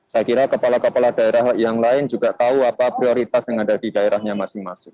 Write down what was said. saya kira kepala kepala daerah yang lain juga tahu apa prioritas yang ada di daerahnya masing masing